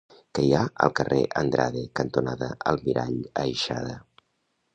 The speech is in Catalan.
Què hi ha al carrer Andrade cantonada Almirall Aixada?